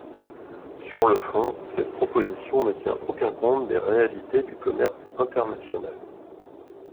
Sur le fond, cette proposition ne tient aucun compte des réalités du commerce international.